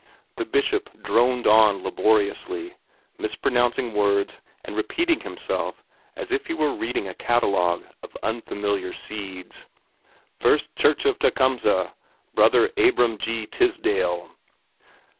The Bishop droned on laboriously, mispronouncing words and repeating himself as if he were reading a catalogue of unfamiliar seeds. "First church of Tecumseh Brother Abram G. Tisdale!"